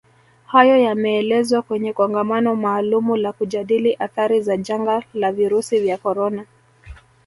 Hayo yameelezwa kwenye Kongamano maalumu la kujadili athari za janga la virusi vya corona